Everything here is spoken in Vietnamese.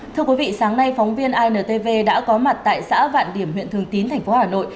thưa quý vị sáng nay phóng viên intv đã có mặt tại xã vạn điểm huyện thường tín tp hà nội